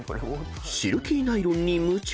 ［シルキーナイロンに夢中］